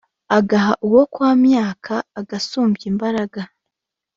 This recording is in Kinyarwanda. agaha uwó kwa myák agasuby imbágara